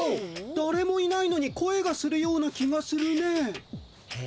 だれもいないのに声がするような気がするねえ。